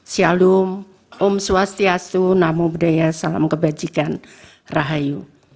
sya alum um swastiastu namo buddhaya salam kebajikan rahayu